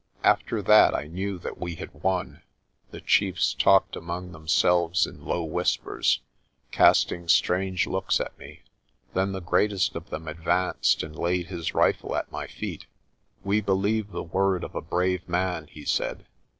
After that I knew that we had won. The chiefs talked among themselves in low whispers, casting strange looks at me. Then the greatest of them advanced and laid his rifle at my feet. "We believe the word of a brave man," he said.